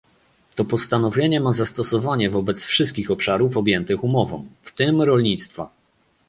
To postanowienie ma zastosowanie wobec wszystkich obszarów objętych umową, w tym rolnictwa